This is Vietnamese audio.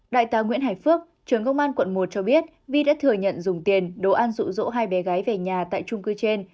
đại tá nguyễn hải phước trưởng công an quận một cho biết vi đã thừa nhận dùng tiền đồ ăn rụ rỗ hai bé gái về nhà tại trung cư trên